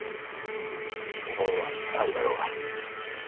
不満はあるだろうが。